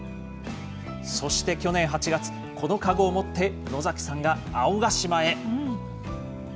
そして、去年８月、この籠を持って、野崎さんが青ヶ島へ。